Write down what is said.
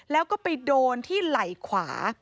แล้วก็ไปโดนที่ไหล่ขวา